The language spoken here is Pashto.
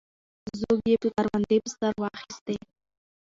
زوږ یې کروندې په سر واخیستې.